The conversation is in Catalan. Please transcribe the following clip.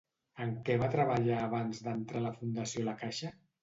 En què va treballar abans d'entrar a la Fundació la Caixa?